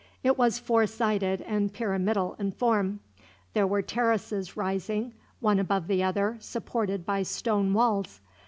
It was four sided and pyramidal in form. There were terraces rising, one above the other, supported by stone walls.